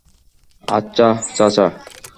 আচ্ছা, চাচা।